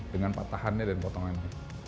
dengan patahannya dan potongannya